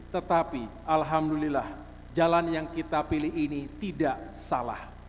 tetapi alhamdulillah jalan yang kita pilih ini tidak salah